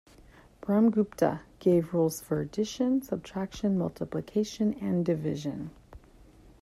Brahmagupta gave rules for addition, subtraction, multiplication and division.